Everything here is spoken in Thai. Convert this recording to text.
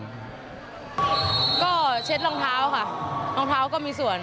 ก็เช็ดรองเท้าค่ะรองเท้าก็มีส่วน